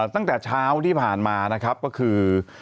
ตั้งแต่เช้าที่ผ่านมานะครับก็คือ